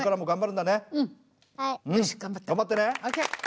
頑張ってね。